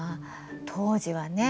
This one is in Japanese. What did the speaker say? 当時はね